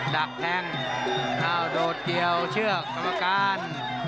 ดักแท่งเอ้าโดดเกี่ยวเชือกอุณหการ